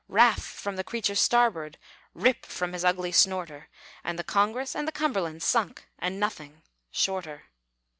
Raff, from the creature's starboard Rip, from his ugly snorter, And the Congress and The Cumberland Sunk, and nothing shorter.